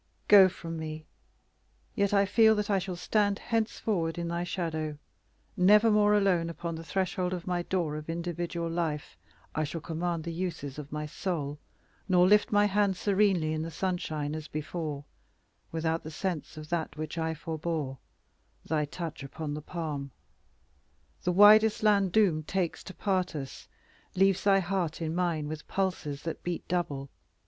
Go from me. Yet I feel that I shall stand Henceforward in thy shadow. Nevermore Alone upon the threshold of my door Of individual life, I shall command The uses of my soul, nor lift my hand Serenely in the sunshine as before Without the sense of that which I forbore Thy touch upon the palm. The widest land Doom takes to part us, leaves thy heart in mine With pulses that beat double.